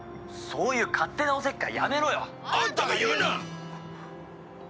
「そういう勝手なおせっかいやめろよ！」あんたが言うな！